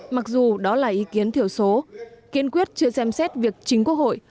mặc dù đó là ý kiến thiểu số kiên quyết chưa xem xét việc chính quốc hội